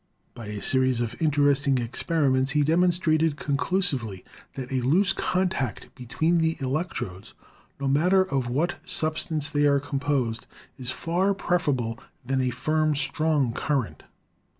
By a series of interesting experiments he demonstrated conclusively that a loose contact between the electrodes, no matter of what substance they are com posed, is far preferable to a firm, strong current.